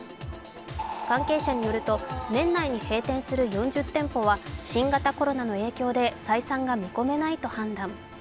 関係者によると年内に閉店する４０店舗は新型コロナの影響で採算が見込めないと判断。